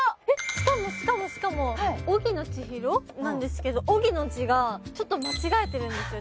しかもしかもしかも荻野千尋なんですけど「荻」の字がちょっと間違えてるんですよ